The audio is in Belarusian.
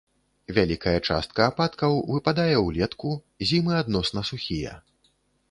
Вялікая частка ападкаў выпадае ўлетку, зімы адносна сухія.